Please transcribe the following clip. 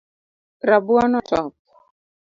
Rabuon otop